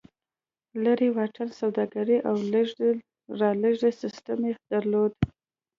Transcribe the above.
لرې واټن سوداګري او لېږد رالېږد سیستم یې درلود.